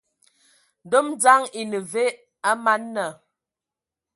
Ndom dzaŋ ene ve a man nna?